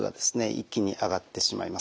一気に上がってしまいます。